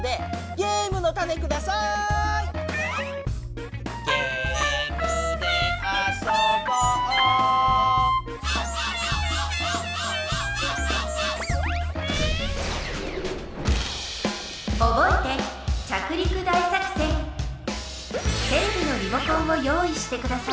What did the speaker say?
「ゲームで遊ぼう」テレビのリモコンを用意してください。